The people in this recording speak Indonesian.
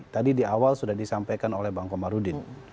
tadi di awal sudah disampaikan oleh bang komarudin